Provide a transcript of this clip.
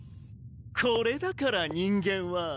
これだから人間は。